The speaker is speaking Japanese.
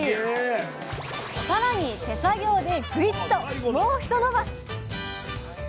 さらに手作業でぐいっともうひとのばし！